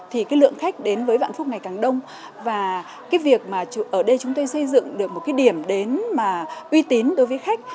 thì cái lượng khách đến với vạn phúc ngày càng đông và cái việc mà ở đây chúng tôi xây dựng được một cái điểm đến mà uy tín đối với khách